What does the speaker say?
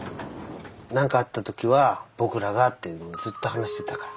何かあった時は僕らがっていうのずっと話してたから。